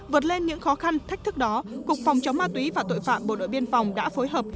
vượt lên những khó khăn thách thức đó cục phòng chống ma túy và tội phạm bộ đội biên phòng đã phối hợp